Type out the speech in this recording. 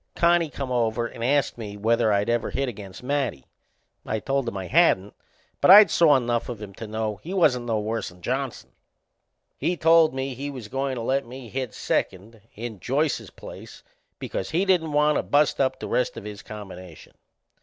Connie come over and ast me whether I'd ever hit against Matty. I told him I hadn't, but I'd saw enough of him to know he wasn't no worse'n Johnson. He told me he was goin' to let me hit second in Joyce's place because he didn't want to bust up the rest of his combination.